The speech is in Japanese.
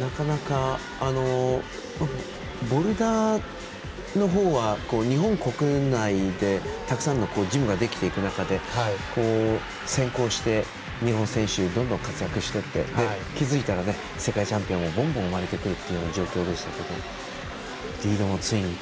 なかなか、ボルダーの方は日本国内でたくさんのジムができていく中で先行して日本選手がどんどん活躍していって気付いたら世界チャンピオンが生まれてくるっていうような状況でしたけどリードもついに。